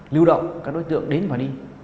lưu động các đối tượng đến và đi